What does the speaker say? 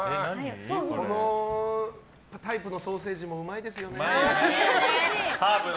このタイプのソーセージもうまいですよね。